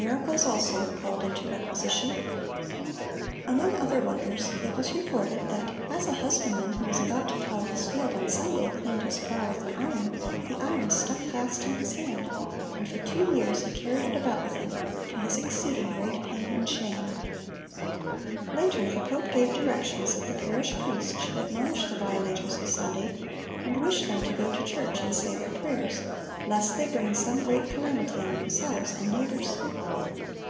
Miracles also were called into requisition. Among other wonders it was reported that as a husbandman who was about to plow his field on Sunday, cleaned his plow with an iron, the iron stuck fast in his hand, and for two years he carried it about with him, "to his exceeding great pain and shame."(1009) Later, the pope gave directions that the parish priest should admonish the violators of Sunday, and wish them to go to church and say their prayers, lest they bring some great calamity on themselves and neighbors.